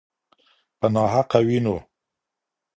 په ناحقه وینو